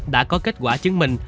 đã có kết quả chứng minh